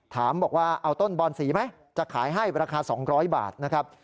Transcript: ถามบอกว่าเอาต้นบอนสีไหมจะขายให้ราคา๒๐๐บาทนะครับ